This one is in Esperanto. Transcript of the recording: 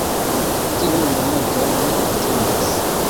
Tiun momenton mi atendis.